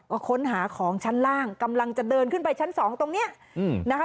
ก็ค้นหาของชั้นล่างกำลังจะเดินขึ้นไปชั้นสองตรงเนี้ยอืมนะคะ